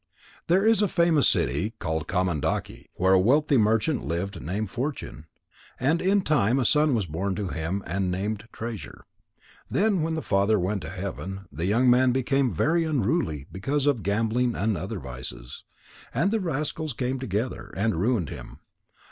There is a famous city called Kamandaki, where a wealthy merchant lived named Fortune. And in time a son was born to him and named Treasure. Then when the father went to heaven, the young man became very unruly because of gambling and other vices. And the rascals came together, and ruined him.